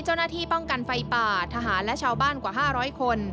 เจ้าหน้าที่ป้องกันไฟป่าทหารและชาวบ้านกว่า๕๐๐คน